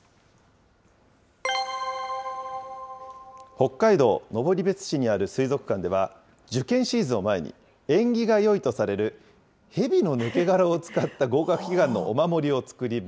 北海道登別市にある水族館では、受験シーズンを前に、縁起がよいとされる蛇の抜け殻を使った合格祈願のお守りを作りま